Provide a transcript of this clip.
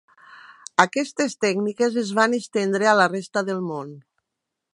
Aquestes tècniques es van estendre a la resta del món.